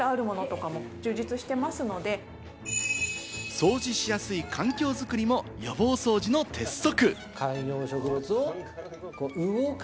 掃除しやすい環境作りも予防掃除の鉄則。